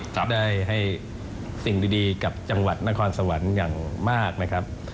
ได้ให้สิ่งดีกับจังหวัดนครสวรรค์อย่างมากนะครับ